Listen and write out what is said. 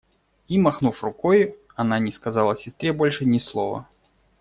И, махнув рукой, она не сказала сестре больше ни слова.